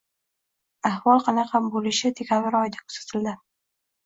Ahvol qanaqa boʻlishi dekabr oyida kuzatildi.